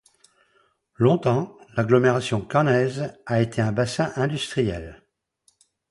Longtemps, l'agglomération caennaise a été un bassin industriel.